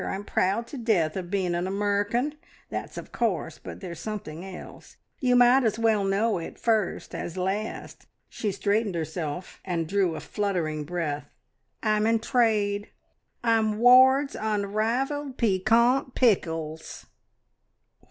I'm proud to death of being an Amurrican; that's of course! But there's something else. You might as well know it first as last." She straightened herself and drew a fluttering breath. "I'm in trade! I'm Ward's Unrivalled Piquant Pickles!"